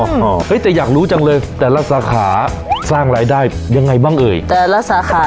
โอ้โหเฮ้ยแต่อยากรู้จังเลยแต่ละสาขาสร้างรายได้ยังไงบ้างเอ่ยแต่ละสาขา